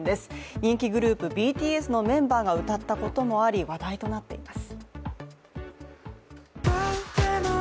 人気グループＢＴＳのメンバーが歌ったこともあり、話題となっています。